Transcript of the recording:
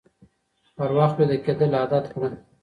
پر وخت ويده کېدل عادت کړه